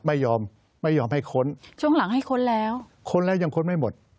ไม่ยอมไม่ยอมให้ค้นช่วงหลังให้ค้นแล้วค้นแล้วยังค้นไม่หมด